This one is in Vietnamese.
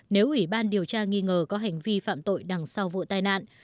nếu ủy ban điều tra nghi ngờ có hành vi phạm tội đằng sau vụ tai nạn